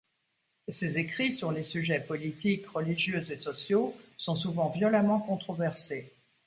Ses écrits sur les sujets politiques, religieux et sociaux, sont souvent violemment controversés.